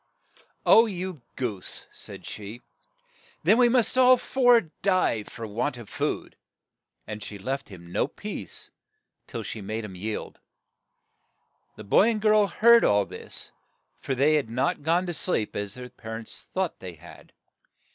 '' Oh, you goose !'' said she ;'' then we must all four die for want of food." And she left him no peace till she made him yield. The boy and girl heard all this, for they had not gone to sleep, as their par ents thought they had.